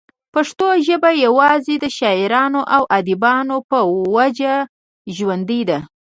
پښتو ژبه يوازې دَشاعرانو او اديبانو پۀ وجه ژوندۍ ده